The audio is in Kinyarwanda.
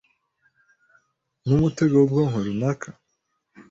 Numutego wubwoko runaka?